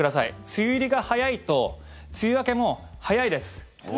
梅雨入りが早いと梅雨明けも早いです。